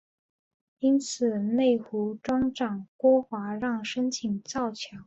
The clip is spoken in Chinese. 因此内湖庄长郭华让申请造桥。